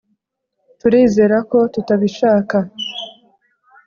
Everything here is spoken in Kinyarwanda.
turizera ko tutabishaka.